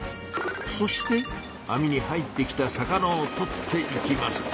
そして網に入ってきた魚をとっていきます。